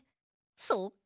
そっか。